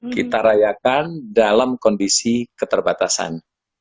kita rayakan dalam kondisi keterbatasan